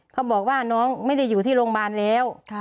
เขาบอกว่าน้องไม่ได้อยู่ที่โรงพยาบาลแล้ว